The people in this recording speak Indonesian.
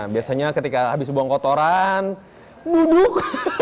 biasanya ketika habis buang kotoran bubuk